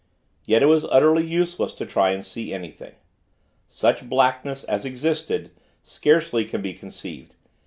Yet it was utterly useless to try to see anything. Such blackness, as existed, scarcely can be conceived.